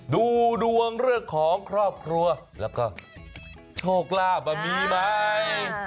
ดูดวงเลือกของครอบครัวแล้วก็โชคลาบมีมั้ย